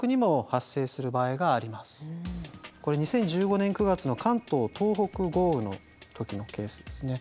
これ２０１５年９月の関東・東北豪雨の時のケースですね。